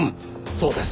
そうです。